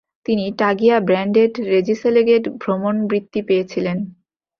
তিনি টাগিয়া ব্র্যান্ডেট রেজিসেলেগেট ভ্রমণ বৃত্তি পেয়েছিলেন।